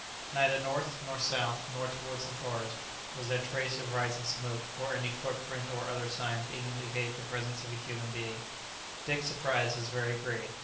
Neither north, nor south, nor towards the forest, was there trace of rising smoke, or any footprint or other sign to indicate the presence of a human being. Dick's surprise was very great.